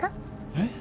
えっ？